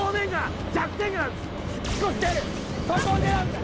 そこを狙うんだ